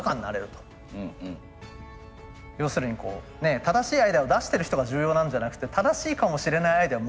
要するにこうね正しいアイデアを出してる人が重要なんじゃなくて正しいかもしれないアイデア